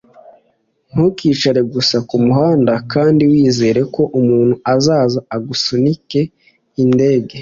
ntukicare gusa kumuhanda kandi wizere ko umuntu azaza agasunika indege